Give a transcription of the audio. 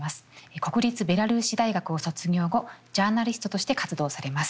国立ベラルーシ大学を卒業後ジャーナリストとして活動されます。